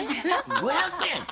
５００円？